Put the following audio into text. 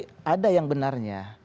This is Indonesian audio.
tapi dia tidak mencari yang benarnya